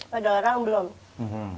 pada orang belum